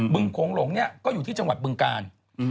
ึงโขงหลงเนี่ยก็อยู่ที่จังหวัดบึงกาล